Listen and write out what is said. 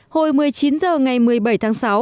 hồi một mươi chín h ngày một mươi bảy tháng sáu